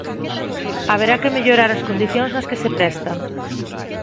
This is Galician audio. Haberá que mellorar as condicións nas que se presta.